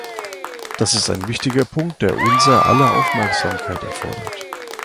Das ist ein wichtiger Punkt, der unser aller Aufmerksamkeit erfordert.